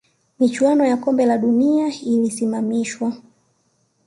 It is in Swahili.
michuano ya Kombe la dunia ililisimamishwa